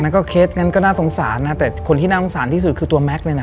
ก็เคสงั้นก็น่าสงสารนะแต่คนที่น่าสงสารที่สุดคือตัวแม็กซ์เนี่ยนะ